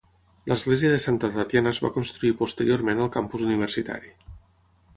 L'església de Santa Tatiana es va construir posteriorment al campus universitari.